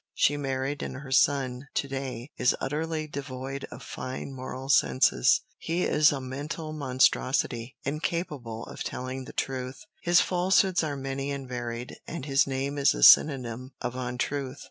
She married, and her son, to day, is utterly devoid of fine moral senses. He is a mental monstrosity incapable of telling the truth. His falsehoods are many and varied, and his name is a synonym of untruth.